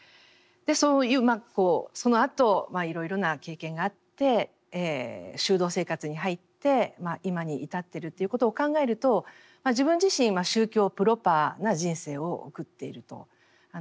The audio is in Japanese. そういうそのあといろいろな経験があって修道生活に入って今に至ってるということを考えると自分自身宗教プロパーな人生を送っていると言えると思います。